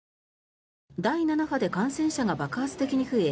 第７波で感染者が爆発的に増え